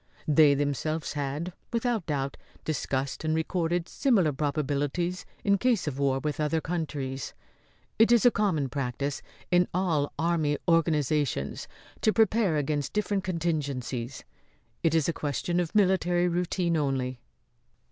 They themselves had, without doubt, discussed and recorded similar probabilities in case of war with other countries. It is a common practice in all army organisations to prepare against different contingencies. It is a question of military routine only."